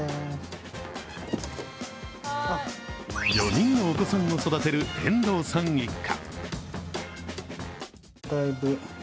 ４人のお子さんを育てる遠藤さん一家。